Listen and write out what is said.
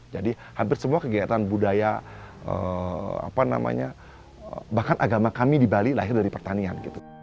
jadi hampir semua kegiatan budaya bahkan agama kami di bali lahir dari pertanian